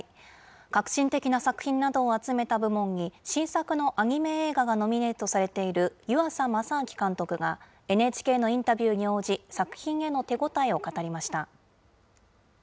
革新的な作品などを集めた部門に、新作のアニメ映画がノミネートされている湯浅政明監督が、ＮＨＫのインタビューに応じ、作品への手応えを語りました。